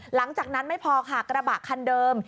หลังจากนั้นไม่พอค่ะกระบะคันเดิม